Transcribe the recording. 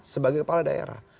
sebagai kepala daerah